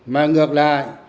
mà ngược lại